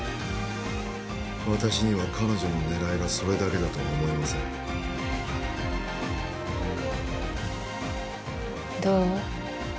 私には彼女の狙いがそれだけだとは思えませんどう？